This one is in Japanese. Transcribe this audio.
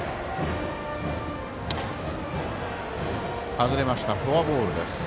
外れましたフォアボールです。